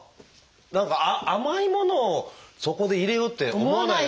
何か甘いものをそこで入れようって思わないですね